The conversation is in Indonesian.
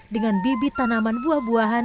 dengan bibit tanaman buah buahan